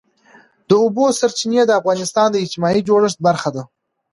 د اوبو سرچینې د افغانستان د اجتماعي جوړښت برخه ده.